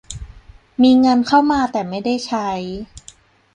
มีเงินเข้ามาแต่ไม่ได้ใช้